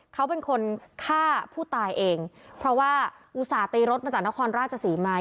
เขาเป็นคนฆ่าผู้ตายเองเพราะว่าอุตส่าห์ตีรถมาจากนครราชศรีมา